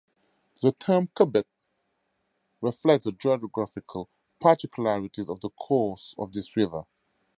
The term "cubit" reflects the geographical particularities of the course of this river.